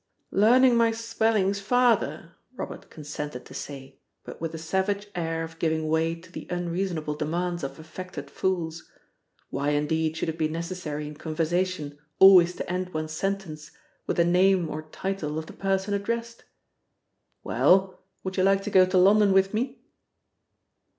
"Learning my spellings, Father," Robert consented to say, but with a savage air of giving way to the unreasonable demands of affected fools. Why indeed should it be necessary in conversation always to end one's sentence with the name or title of the person addressed? "Well, would you like to go to London with me?"